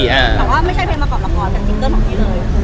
แต่ทุกเข้าไม่ใช่เพลงมาของละครแต่ซิงเกิ้ลของนี้เลย